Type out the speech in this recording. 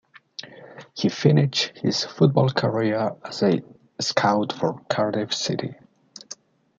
He finished his football career as a scout for Cardiff City.